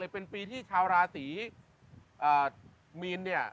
เป็นปีที่ชาวราศีมีนเนี่ย